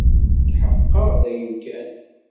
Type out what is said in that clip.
Tḥeqqeɣ dayen kan.